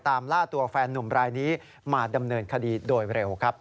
ล่าตัวแฟนนุ่มรายนี้มาดำเนินคดีโดยเร็วครับ